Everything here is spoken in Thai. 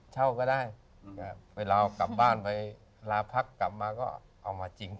เช่าก็ได้เวลากลับบ้านไปลาพักกลับมาก็เอามาจริง